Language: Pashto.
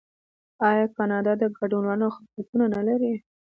آیا کاناډا د کډوالو خدمتونه نلري؟